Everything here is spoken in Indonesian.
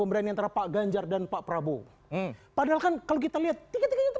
pemberani antara pak ganjar dan pak prabowo padahal kan kalau kita lihat tiga tiganya